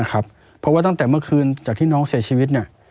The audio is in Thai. เพราะว่าตั้งแต่เมื่อคืนจากที่น้องเสียชีวิต